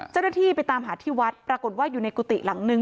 เจ้าหน้าที่ไปตามหาที่วัดปรากฏว่าอยู่ในกุฏิหลังนึง